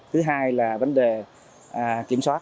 thứ hai là vấn đề kiểm soát